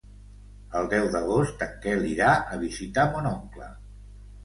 El deu d'agost en Quel irà a visitar mon oncle.